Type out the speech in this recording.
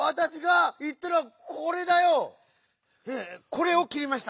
「これ」をきりました。